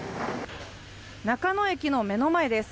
中野駅の目の前です。